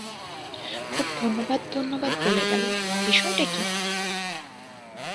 খুব ধন্যবাদ ধন্যবাদ বলে গেলো, বিষয়টা কি?